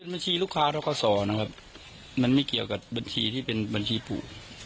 บัญชีลูกค้าทกศนะครับมันไม่เกี่ยวกับบัญชีที่เป็นบัญชีผูก